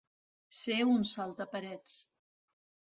Ser un saltaparets.